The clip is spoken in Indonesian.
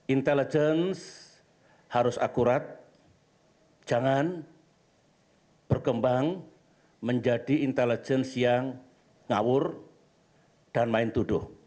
intelligence harus akurat jangan berkembang menjadi intelligence yang ngawur dan main tuduh